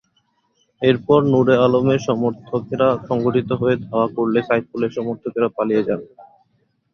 এরপর নূরে আলমের সমর্থকেরা সংগঠিত হয়ে ধাওয়া করলে সাইফুলের সমর্থকেরা পালিয়ে যান।